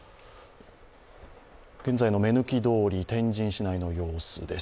現在の目抜き通り、天神市内の様子です。